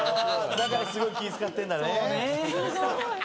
だからすごい気ぃ使ってんだね。